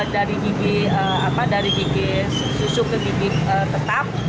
dari gigi susu ke gigi tetap